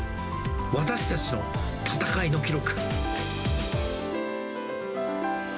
私たちの闘いの記録。